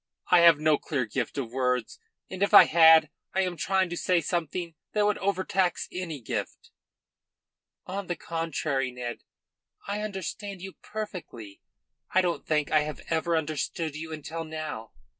I have no clear gift of words, and if I had, I am trying to say something that would overtax any gift." "On the contrary, Ned, I understand you perfectly. I don't think I have ever understood you until now.